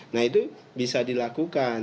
nah itu bisa dilakukan